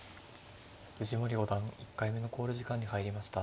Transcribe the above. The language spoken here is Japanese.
藤森五段１回目の考慮時間に入りました。